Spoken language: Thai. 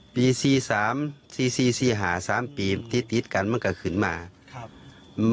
สี่สามสี่สี่ห้าสามปีที่ติดกันมันก็ขึ้นมาครับ